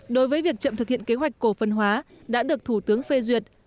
đối với việc chậm thực hiện kế hoạch cổ phần hóa đã được thủ tướng phê duyệt